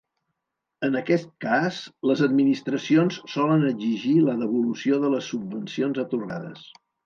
En aquest cas, les administracions solen exigir la devolució de les subvencions atorgades.